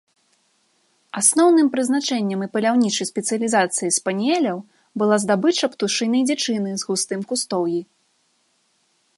Асноўным прызначэннем і паляўнічай спецыялізацыяй спаніэляў была здабыча птушынай дзічыны з густым кустоўі.